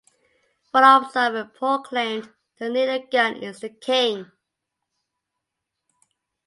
One observer proclaimed, "the needle-gun is the king".